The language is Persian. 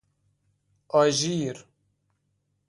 آژیر